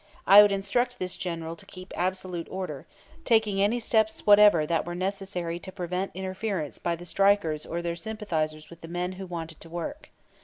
I would instruct this general to keep absolute order, taking any steps whatever that was necessary to prevent interference by the strikers or their sympathizers with men who wanted to work.